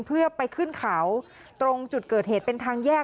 เพื่อไปขึ้นเขาตรงจุดเกิดเหตุเป็นทางแยก